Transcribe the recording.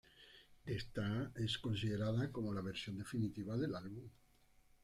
Esta es considerada como la versión definitiva del álbum.